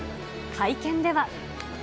会見では。